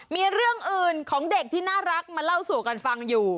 มีเรื่องอื่นของเด็กที่น่ารักมาเล่าสู่กันฟังอยู่